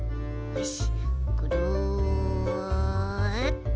よし！